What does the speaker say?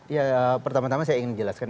ya pertama tama saya ingin jelaskan